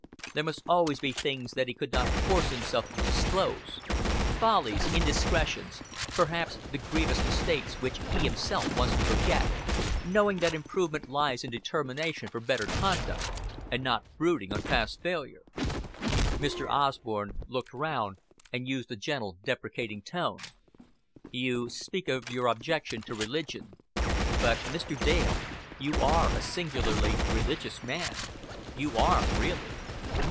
There must always be things that he could not force himself to disclose follies, indiscretions, perhaps the grievous mistakes which he himself wants to forget, knowing that improvement lies in determination for better conduct, and not in brooding on past failure. Mr. Osborn looked round, and used a gentle deprecating tone. "You speak of your objection to religion; but, Mr. Dale, you are a singularly religious man. You are, really."